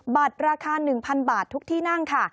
บัตรราคา๑๐๐บาททุกที่นั่งค่ะ